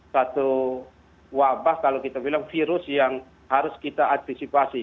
satu wabah kalau kita bilang virus yang harus kita antisipasi